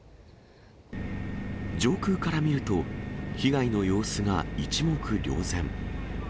上空から見ると、被害の様子が一目瞭然。